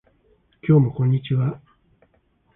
今日もこんにちは